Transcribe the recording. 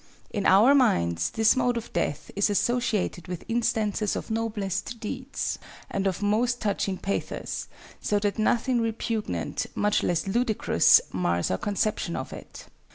In our minds this mode of death is associated with instances of noblest deeds and of most touching pathos, so that nothing repugnant, much less ludicrous, mars our conception of it.